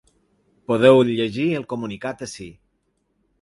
Podeu llegir el comunicat ací.